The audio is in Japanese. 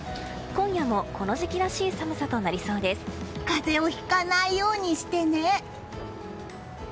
今夜もこの時期らしい風邪をひかないようにしてね！